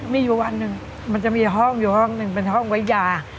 มีอยู่วันหนึ่งมันจะมีห้องอยู่ห้องหนึ่งเป็นห้องไว้ยา